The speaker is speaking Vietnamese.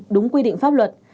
đúng quy định pháp luật